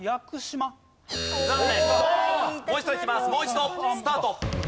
もう一度スタート。